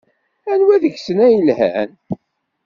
Anwa deg-sen ay yelhan?